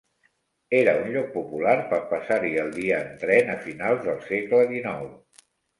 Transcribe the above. Era un lloc popular per passar-hi el dia en tren a finals del segle dinou.